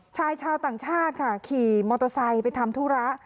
ชายชาวต่างชาติค่ะขี่มอเตอร์ไซค์ไปทำธุระ